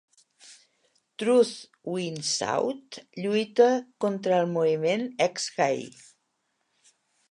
Truth Wins Out lluita contra el moviment Ex-Gay.